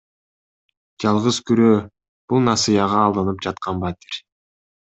Жалгыз күрөө — бул насыяга алынып жаткан батир.